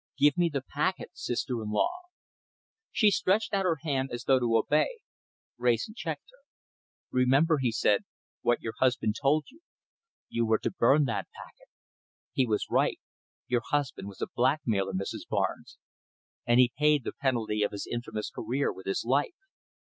Give me the packet, sister in law!" She stretched out her hand as though to obey. Wrayson checked her. "Remember," he said, "what your husband told you. You were to burn that packet. He was right. Your husband was a blackmailer, Mrs. Barnes, and he paid the penalty of his infamous career with his life.